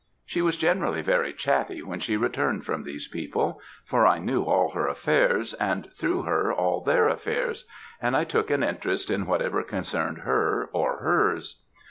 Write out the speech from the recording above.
She was generally very chatty when she returned from these people; for I knew all her affairs, and through her, all their affairs; and I took an interest in whatever concerned her or hers.